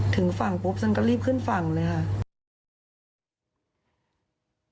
ถึงฝั่งปุ๊บฉันก็รีบขึ้นฝั่งเลยค่ะ